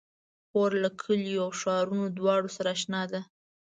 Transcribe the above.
خور له کليو او ښارونو دواړو سره اشنا ده.